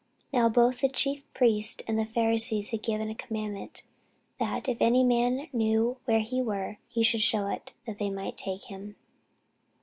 Now both the chief priests and the Pharisees had given a commandment, that, if any man knew where he were, he should shew it, that they might take him.